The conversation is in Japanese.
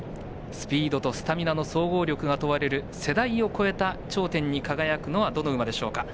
スピードとスタミナの総合力が問われる世代を超えた頂点に輝くのはどの馬でしょうか。